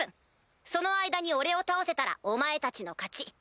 その間に俺を倒せたらお前たちの勝ち。